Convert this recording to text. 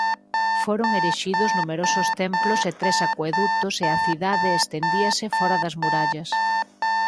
Foron erixidos numerosos templos e tres acuedutos e a cidade estendíase fóra das murallas.